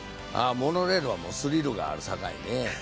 モノレールはスリルがあるさかいね。